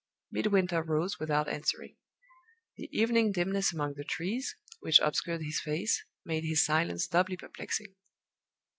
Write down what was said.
Midwinter rose, without answering. The evening dimness among the trees, which obscured his face, made his silence doubly perplexing.